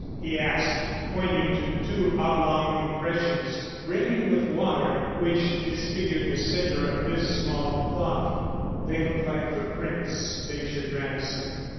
he asked, pointing to two oblong impressions brimming with water which disfigured the center of this small plot. "They look like footprints," ventured Ransom.